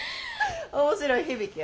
面白い響きやろ？